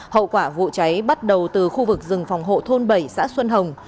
hậu quả vụ cháy bắt đầu từ khu vực rừng phòng hộ thôn bảy xã xuân hồng